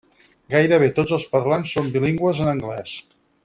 Gairebé tots els parlants són bilingües en anglès.